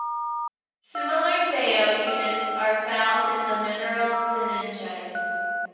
Similar TeO units are found in the mineral denningite.